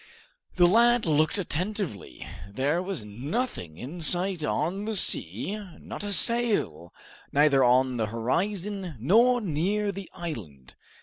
The lad looked attentively. There was nothing in sight on the sea, not a sail, neither on the horizon nor near the island.